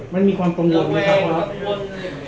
มันมีความกังวลไหมครับครับครับ